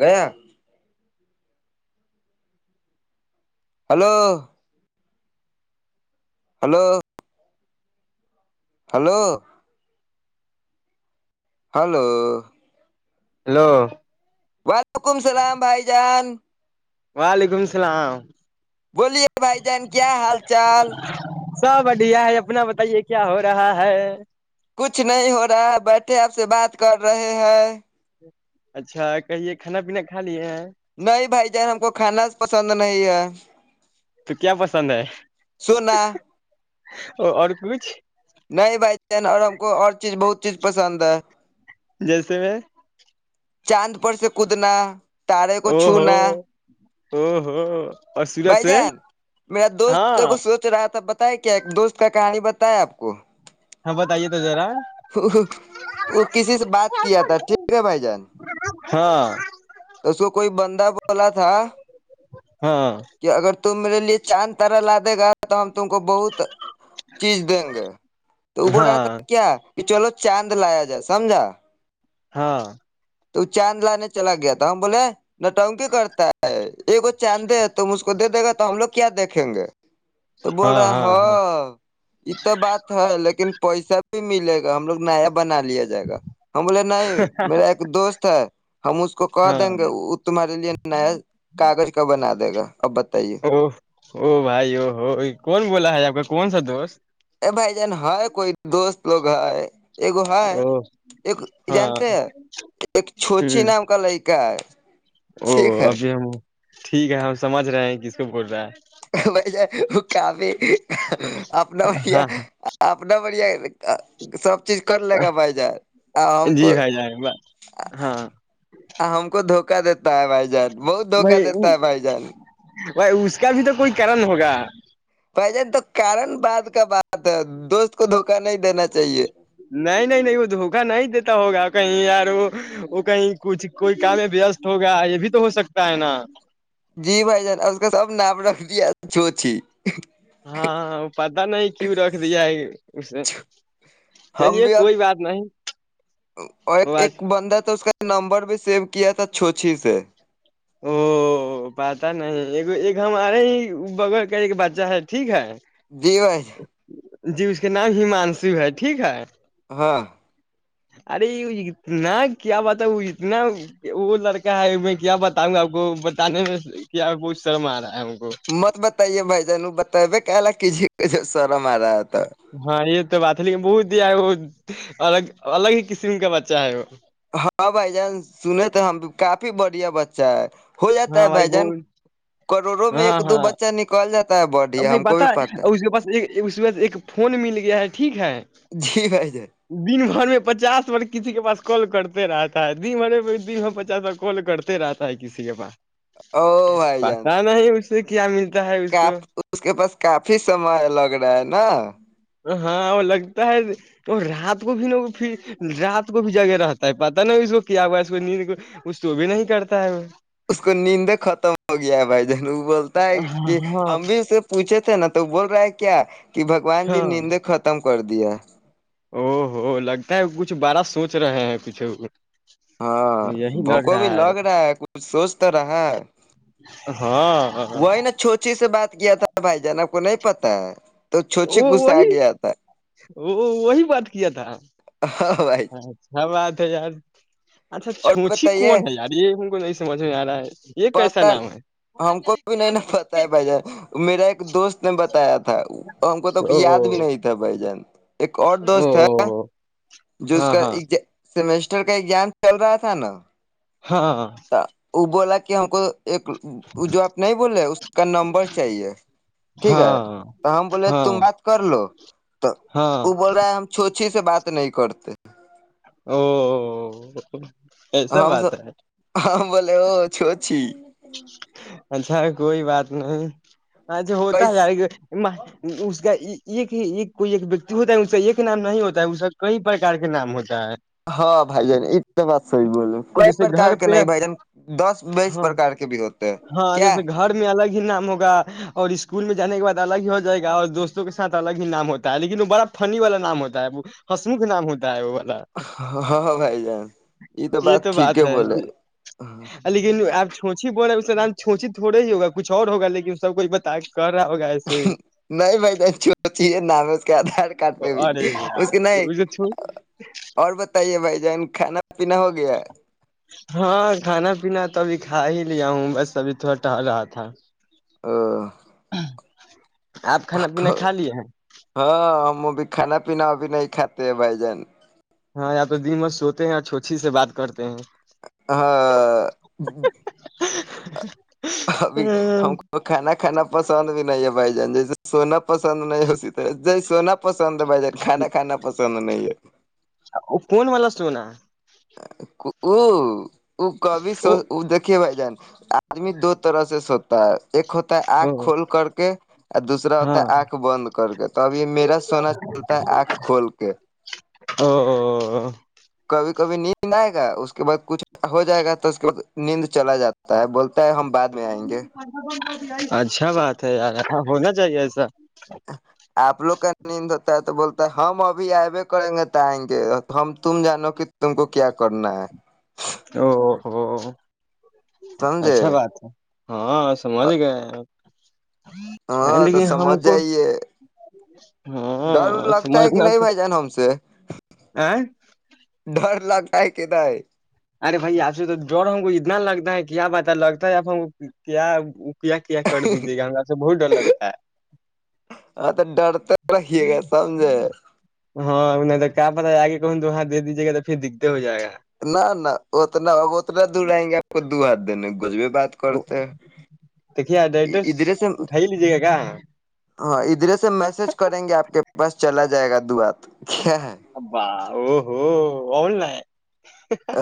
گیا hello hello hello hello hello [inaudible] وعلیکم السلام بھائی جان وعلیکم السلام بولیے بھائی جان کیا حال چال سب بڈھیا ہے اپنا بتائیے کیا ہو رہا ہے کچھ نہیں ہو رہا ہے بیٹھے آپ سے بات کر رہے ہیں اچھا کہیے کھانا پینا کھا لیے ہیں نہیں بھائی جان ہم کو کھانا پسند نہیں ہے ج تو کیا پسند ہے سونا اور اور پھ نہیں بھائی چین اور ہم کو اور چیز بہت چیز پسند ہے جیسے میں چاند پر سے کودنا تارے کو چو نہ ہ ہوں بھائی جان میرا دوستوں ہاں کو سوچ رہا تھا بتائے کیا دوست کا کہانی بتا پت ہے آپ کو ہاں بت آ تو جارا وہ کسی سے بات کیا تھا ٹھیک ہے بھائی جان ہاں توسو کوئی بند بولا تھا ہاں ت میرے لیے چاند طرح لا دے گا تو ہم کو بہت چیز دیں گے تو بول رہتا ہاں کیا کہ چلو چاند لایا جائے سمجھا ہاں تو چاند لانے چلا گیا تھا ہم بولے ن ٹا ہ کی کرتا ہے یہ کو چینے ہے تو م کو کو دے دے گا تو ہم لوگ کیا دیکھیں گے تو بول ہاں رہا ہاں ہو ہاں یہ تو بات ہے لیکن پیسہ بھی ملے گا ہم لوگ نیا بنا لیا جائے گا ہم بولے نہیں میرا ایک دوست ہے ہم اس کو کہ ہاں دیں گے وہ تمہارے لیے نیا کاغذ کبر نہ دے گا اب بتائیے او ہوو بھائی او ہو کون بولا ہے آپ کا کون سا دو ج [inaudible] ا بھائی جان ہے کوئی دوست لوگ ہے ایگو ہے او ایک ہاں جانتے ہیں ایک چوچ ہ نام کا ل کیا او ابھی ہم ٹھیک ہے ہم سمجھ رہے ہیں کس کو بول رہا ہے بائی ج وہ کافی اپنا بڑھیا ہاں ہاں اپنا بڑھیا سب چیز کر لے گا بھائی جار ہم کو جی بھائی جان ہاں ہم کو دھوکا دیتے تا ہے بائی جان بہت دھوکا دیتا ہے بائی جان بائی اس کا بھی تو کوئی کرن ہوگا بھ جان تو کارن بعد کا بات ہے دوست کو د نہیں نہیں نہیں وہ دھوکا نہیں دیتا ہوگا کہیں یار وہ کہیں کچھ کوئی کام میں وست ہوگا یہ بھی تو ہو سکتا ہے نا جی بھائی جان اس کا سب نامپ رکھ دیا چو اچھی ہاں پتا نہیں کیوں رکھ دیا ہے اسے ہم چلیے بھی اب کوئی بات نہیں اور وہ آج ایک بندہ تو اس کا نمبر بھی سیو کیا تھا چھوچھی سے او پتا نہیں ایک ہمارے ہی بغل کا ایک بچہ ہے ٹھیک ہے دییو ہے جی اس کے نام ہممانشو ہے ٹھیک ہے ہاں ارے اتنا کیا بتا اتنا وہ لڑکا ہے میں کیا بتاؤں گا آپ کو بتانے میں کیا کو شرم آ رہا ہے کو مت بتائیے بھائی جان بتا ب ک ک جی سرم م رہا تھا ہاں یہ تو بتلی میں بہت ہے وہ الگ الگ ہی قسم کا بچہ ہے وہ ہاں بھائی جان سنے تو ہم کافی بڑے بچا ہے ہو جاتا ہے ہاں بھائی وہ جان کروڑوں میں ہاں ایک دو ہاں بچہ نکال جاتا ہے بڑھیا بھائی ہم کو بت بھی ہے پتا اور اس کے پاس ایک اس بد ایک فون مل گیا ہے ٹھیک ہے جی بھائی جان ب [unintelligible] گھر میں پچاس بار کسی کے پاس کال کرتے رہتا ہے دن بھرے د ب پچاس بار کال کرتے رہتا ہے کسی کے پاس او بھائی جان تو کیا ہم تا ہے اس کو اس کے پاس کافی سمے لگ رہا ہے نا ہاں وہ لگتا ہے وہ رات کو بھی رات کو بھی جگہ رہتا ہے پتا ن اس کو کیا ہوا ہے اس کو نیند کو اس تو بھی نہیں کرتا ہے وہ اس کو نیند ختم ہو گیا ہے بھائی جلو بولتا ہے کہ ہاں ہم بھی اس سے پوچھے تھے نا تو بول رہا ہے کیا کہ بگوان جی ہاں نیند ختم کر دیا او ہو لگتا ہے کچھ بارا سوچ رہے ہیں کچھ ہاں بھونکوں بھی لگ رہا ہے کچھ سوچ تو رہا ہے ہاں وہی نا چھوچی سے بات کیا تھا بھائی جانب کو نہیں پتا ہے تو چھو چے گ سے آگیا آتا ا وہی بات کیا تھا ہاں بھائی اچھا بات [unintelligible] ا جار اچھا اور چھوچی بتائیے کون ہے آ یہ کو مجھ میں آ رہا ہے یہ کیسا پتا نام ہے ہم کو بھی نہیں ن پتا ہے بھائی جان میرا ایک دوست نے بتایا تھا ہم کو تو یاد او بھی نہیں تھا بھ جان ایک اور دوست ہے او جو اس ہاں کا ہاں ایک سیمیسٹر کا ایگزام چل رہا تھا نا ہاں تو ابولا کہ ہم کو ایک وہ جو آپ نہیں بولے اس کا نمبر چاہیے ٹھیک ہے ہاں تو ہم بولے ہاں تم بات کر لو تو ہاں وہ بول رہا ہے ہم چھو اچھے سے بات نہیں کرتے او ایسا ہم س بات ہے ہم بول وہ چوچھی اچھا کوئی بات نہیں اچھے ہوتا ارے گ اس کا ایک کوئی ایک وتی ہوتا ہے اس کا ایک نام نہیں ہوتا ہے اس کا کئی پرکار کے نام ہوتے ہاں بھائی جان ایک تو بات سحی بولے کوئی جیسے پر گھر کے پہ نہیں بھ جان دس بائیس ہاں پرک کے بھی ہوتے ہیں ہاں کیا جیسے گھاڑ میں الگ ہی نام ہوگا اور اسکول میں جان کے بع الگ ہی ہو جائے گا اور دوستوں کے ساتھ الگ ہی نام ہوتا ہے لیکن وہ بڑا فنی والا نام ہوتا ہے وہ ہسمکھ نام ہوتا ہے وہ والا ہاں بھائی جان یہ تو بات ٹھیک ہے بولے چھچی بول رہا اس نام چھونچی تھوڑا ہی ہوگا کچھ اور ہوگ لیکن سب کوئی بتا کر رہا ہوگا ایسے نہیں بھائی جان چو چ ہے نام ہے اس کے آدھار کارڈ پہ بھی ارے اس کے نہیں یار اور بتائیے بھائی جان کھانا پ نہ ہو گیا ہاں کھانا پینا تو ابھی کھا ہی لیا ہوں بس ابھی تھوڑا ٹہل رہا تھا ا ج آپ کھانا پین کھا لیے ہیں م بھی کھانا پینا بھی نہیں کاتے ہے بائی جان ہاں یا تو د مت سوتے ہیں اور چھوچھی سے بات کرتے ہیں ہاں [unintelligible] ابھی ہم کو کھانا کھانا پسند بھی نہیں ہے بھائی جان جیسے سونا پسند نہیں اسی طرح جی سونا پسند ب کانا کانا پ ا ہے ا فون والل س لو نا کبھی س وہ دیکے بھائی جان آدمی دو طرح سے سب پ ایک ہوتا ہے آنکھ کھول کر کے اور دوسرا ہوتا ہاں ہے آنکھ بند کر کے تو اب یہ میرا سونا چلتا ہے آنکھ کھول کے او کبھی کبھی نیند آئے گا اس کے بعد کچھ ہو جائے گا تو اس کے بع نیند چلا جاتا ہے بول ہم بعد میں آئیں گے اچھا بات ہے یار ہونا چاہیے ایسا آپ لو کا ند تو بولتا ہے ہم ابھی آبے کریں گے ت آئیں گے ہم تم جانو کہ تم کو کیا کرنا ہے او ہو سمجھے اچھا بات ہے ہاں سمجے گ ہاں تو سمجھ کو جائیے ڈر ہاں لگتا ہے کہ سمجھنا نہیں تو بھائی جان ہم سے آ [inaudible] آ ہے کہید ہے ارے بھائی آپ سے تو ڈر ہم کو اتنا لگتا ہے کیا بتا لگتا ہے آ ہم کیا کیا کیا کر دیجیے گا ہم سے بہت ڈر لگتا ہے ہاں تو ڈرتے رہیے گا سمجھے ہاں تو کہاں پتاہ آگے کہن تو وہاں دے دیجیے گا تو پھر دکھتے ہو جائےا نہ نہ اتنا اب اتنا دور آئیں گے آپ کو د آ دن د کیا ڈ ایڈریس ادھرے سے اٹھائی لیجیے گا کا [unintelligible] ہاں اھر میسج کریں گے آپ کے بس چلا جائے گا دعات اببا او ہوو بول ن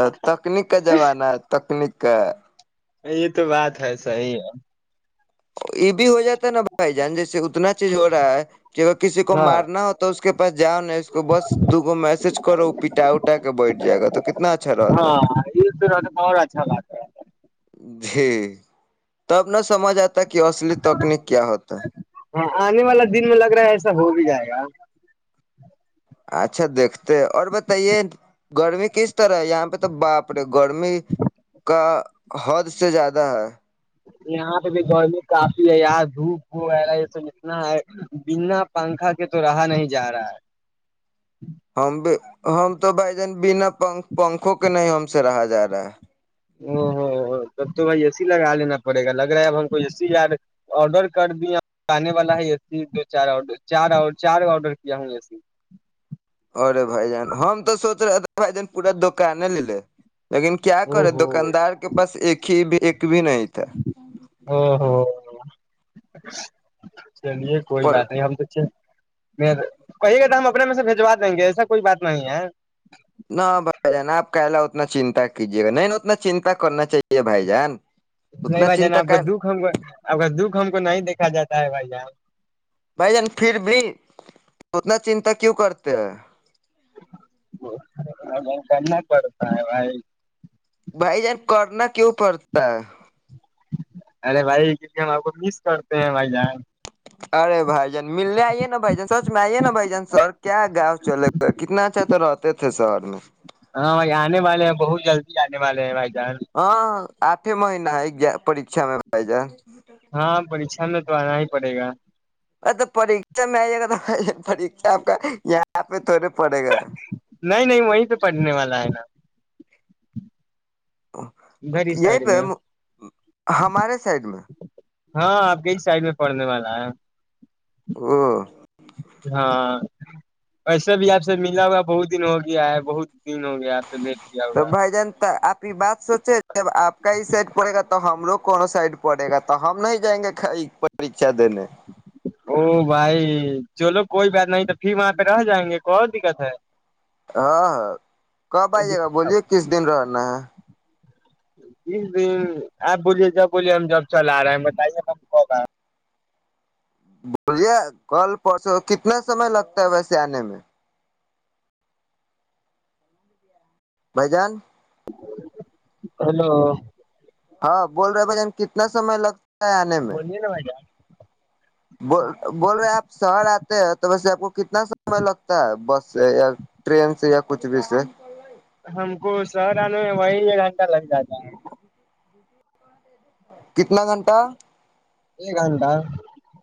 ا تکنیک کا زمانہ ہے تکنیک کا یہ تو بات ہے صحی ہے یہ بھی ہو جاتا نا بھائی جان جیسے اتنا چیز ہو رہا ہے کہ اگر کسی کو ہاں مارنا ہو تو اس کے پاس جاؤ نہیں اس کو بس دوگ میسج کرو پٹا اٹا کے بیٹھ جائے گا تو کتنا اچھا رہتا ہاں یہ تو بہت اچھا بات ہے جی تب نہ سمجھ آتا کی اصلی تکنیک کیا ہوتا ہے ہاں آنے والا دن میں لگ رہا ہے ایسا ہو بھی جائے گا اچھا دیکھتے اور بتائیے گرمی کس طرح ہے یہاں پہ تو باپرے گرمی کا حد سے زیادہ ہے یہاں پہ بھی گرمی کافی ہے یار دھوپ وغیرہ یہ تو اتنا ہے بنا پنکھا کے تو رہا نہیں جا رہا ہے ہم بھی ہم تو بھائی جان بنا پنکھ پنکھوں کے نہیں ہم سے رہا جا رہا ہے او ہو تب تو بھائی اے سی لگا لینا پڑے گا لگ رہا ہے اب ہم کو اے سی یار آڈر کر دیا آنے والا ہے اے سی دو چار چار چار آڈر کیا ہ اے سی ارے بھائی جان ہم تو سوچ رہے تھے بھائی جان پورا دکان لے لے لیکن کیا او کرے ہو دکاندار کے پاس ایک ہی بھی ایک بھی نہیں تھا او ہو [inaudible] چلیے کوئی پر بات نہیں ہم تو نہیں کہی گئے تو ہم اپنے میں سے بجوا دیں گے ایسا کوئی بات نہیں ہے نہ بھائی جان آپ کہلا اتنا چنتا کیجیے گا نہیں نہیں اتنا چنتا کرنا چاہیے بھائی جان نہیں اتنا بھائی جان چنتا آپ کا دکھ ہم آپ کا دکھ ہم کو نہیں دیکھا جاتا ہے بھائی جان بھائی جان پھر بھی اتنا چنتا کیوں کرتے ہیں کرنا پڑتا ہے بھائی جان کرنا کیوں پڑتا ہے ارے بھائی لیے ہم آپ کو مس کرتے ہیں بھائی جیں ارے بھائی جان ملنے آئیے نا بھ جان سچ میں آئیے نا بھ جان سر کیا گاؤں چلے گئے کتنا اچھا تو رہتے تھے شہر میں ہاں بھائی آنے والے ہیں بہت جلدی آنے والے ہیں بھائی جان ہ آٹھے مہینہ ہے ایک پریھا میں پائی جان ہاں پریچا میں تو آنا ہی پڑے گا ا تو پریچا میں آئیے گا پا آپ کا یہاں پہ تھڑے نہیں نہیں وہی تو پڑھنے والا ہے نا ادھر ہی یہی سائڈ پہ میں ہمارے سائڈ میں ہاں آپ کے ہی سائڈ میں پڑھنے والا ہے ہ ہاں ویسا بھی آپ سے ملا ہوا بہت دن ہو گیا ہے بہت دن ہو گیا آپ سے بھیٹ کیا تو ہوا بھائی جانتا آپ کی بات سوچے جب آپ کا ہی سیٹ پڑے گا تو ہم ہم کووں سائڈ پڑے گا تو ہم نہیں جائیں گے چ د نے او بھائی چلو کوئی بات نہیں تو پھر وہاں پہ رہ جائیں گے کو دقت ہے ہاں ہاں کب آئیے گا بولیے کس دن رہنا ہے کس دن آپ بولیے جب بولیے ہم جب چل آ رہے ہیں بتائیے کب کوگا بولیے کل پرسو کتنا سمئے لگتا ہے ویسے آنے میں بھائی جان ہلو ہاں بول رہے ہیں بھائیان کتنا سمے لگ بنے نا مجہ بول رہے آپ شہر آتے ہیں تو ویسے آپ کو کتنا سمئے لگتا ہے بس سے یا ٹرین سے یا کچھ بھی سے ہم کو شہر آنے میں وہی ایک گھنٹہ لگ جاتا ہے کتنا گھنٹہ ایک گ گھنٹا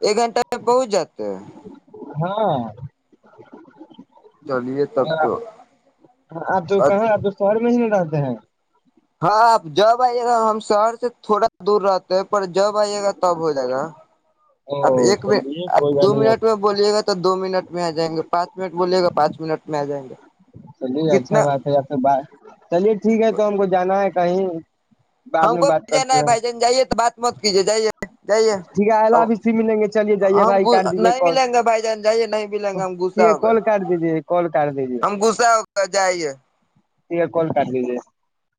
ایک گھنٹہ میں پہنچ جاتا ہاں چلیے تب تو آپ جو کہاںیں آپ جو شہر نہیں ڈاتتے ہیں ہاں آپ جب آئیے گا ہم شہر سے تھوڑا دور رہتے ہیں جب آئیے گا تب ہو جائے گا او آپ ایک م چلیے آپ کوئی دو بات نہیں آپ منٹ میں بولیے گا تو دو منٹ میں آ جائیں گے پانچ منٹ بولیے گا پانچ منٹ میں آ جائیں گے چلیے اچھا کتنا بات ہے پھر بات چلیے ٹھیک ہے تو ہم کو جانا ہے [unintelligible] کہیں [inaudible] ہم بعد میں کو بات بھی جانا ہے کرتے ہیں بھائی جان جائیے تو بات موت کیجیے جائیے [unintelligible] جائیے ٹھیک ہے اللہ حافظ پھر ملیں گے چلیے جائیے ہم بھائی کاٹ دیجیے نہیں کال ملیں گے بھائی جان جائیے نہیں ملیں گے ہم ٹھیک گصا ہے ہو کے کال کاٹ دیجیے کال کاٹ ہم گغصا ہو کے جائیے [unintelligible] کوال کر دیجیے [unintelligible]